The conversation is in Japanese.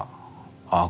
ああ